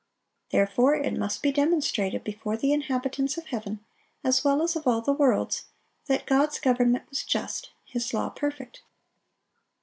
Therefore it must be demonstrated before the inhabitants of heaven, as well as of all the worlds, that God's government was just, His law perfect.